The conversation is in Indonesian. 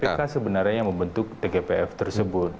kpk sebenarnya yang membentuk tgpf tersebut